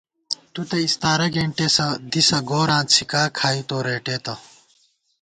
تُو تہ اَستارہ گېنٹېسہ دِسہ گوراں څھِکا کھائی تو رېٹېتہ